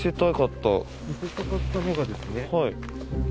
はい。